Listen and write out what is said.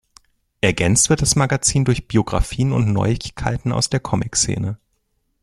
Ergänzt wird das Magazin durch Biografien und Neuigkeiten aus der Comic-Szene.